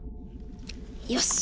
よし！